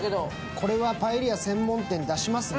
これはパエリア専門店、出しますね。